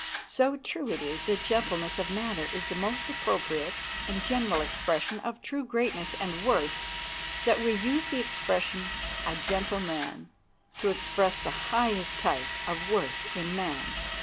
So true it is that gentleness of manner is the most appropriate and general expression of true greatness and worth that we use the expression "a gentle man" to express the highest type of worth in man.